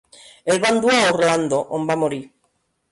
El van dur a Orlando, on va morir.